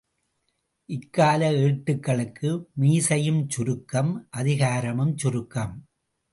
இக்கால ஏட்டுகளுக்கு மீசையும், சுருக்கம், அதிகாரமும் சுருக்கம்.